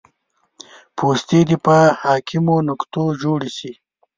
پوستې دې په حاکمو نقطو جوړې شي